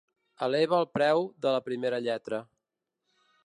Eleva el preu de la primera lletra.